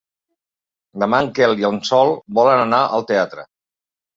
Demà en Quel i en Sol volen anar al teatre.